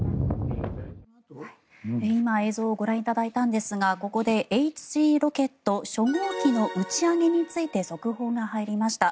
今、映像をご覧いただいたんですがここでＨ３ロケット初号機の打ち上げについて速報が入りました。